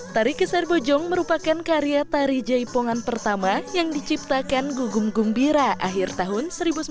tari keser bojong merupakan karya tari jaipongan pertama yang diciptakan gugum gumbira akhir tahun seribu sembilan ratus sembilan puluh